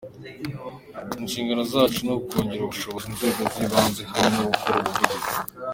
Inshingano zacu ni ukongerera ubushobozi inzego z’ibanze, hamwe no gukora ubuvugizi.